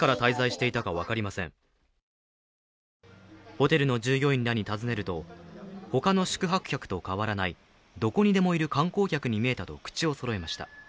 ホテルの従業員らに尋ねると他の宿泊客と変わらない、どこにでもいる観光客に見えたと口をそろえました。